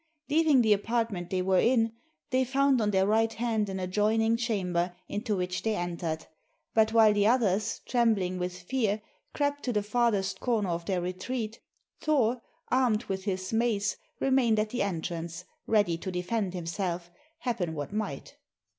Leaving the apartment they were in, they found on their right hand an adjoining chamber into which they entered, but while the others, trembling with fear, crept to the farthest corner of their retreat, Thor, armed with his mace, remained at the entrance ready to defend himself, happen what might.